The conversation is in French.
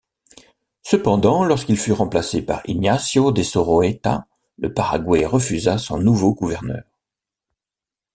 Cependant, lorsqu'il fut remplacé par Ignacio de Soroeta, le Paraguay refusa son nouveau gouverneur.